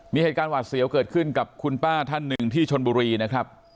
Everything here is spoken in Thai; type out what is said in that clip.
มีเหตุการณ์หวาดเสียวเกิดขึ้นกับคุณป้าท่านหนึ่งที่ชนบุรีนะครับ